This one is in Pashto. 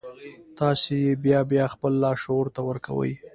تاسې يې بيا بيا خپل لاشعور ته ورکوئ.